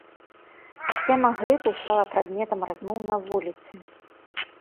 Тэма грыпу стала прадметам размоў на вуліцы.